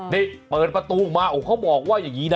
นี่เปิดประตูออกมาโอ้เขาบอกว่าอย่างนี้นะ